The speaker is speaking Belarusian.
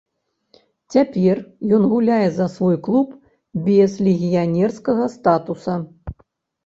Цяпер ён гуляе за свой клуб без легіянерскага статуса.